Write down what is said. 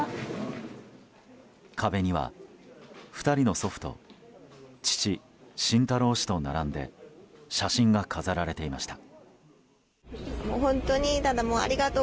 壁には２人の祖父と父・晋太郎氏と並んで写真が飾られていました。